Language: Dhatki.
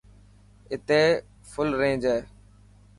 اتي فل رينج هي.